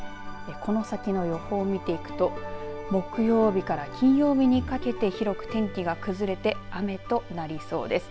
この先の予報を見ていくと木曜日から金曜日にかけて広く天気が崩れて雨となりそうです。